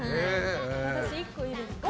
私、１個いいですか。